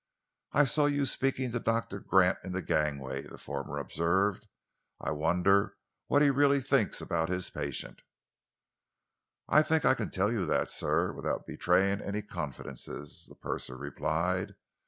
"I saw you speaking to Doctor Gant in the gangway," the former observed. "I wonder what he really thinks about his patient?" "I think I can tell you that, sir, without betraying any confidences," the purser replied.